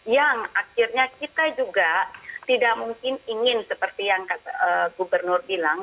yang akhirnya kita juga tidak mungkin ingin seperti yang gubernur bilang